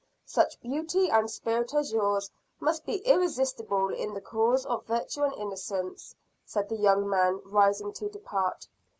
"Such beauty and spirit as yours must be irresistible in the cause of virtue and innocence," said the young man, rising to depart.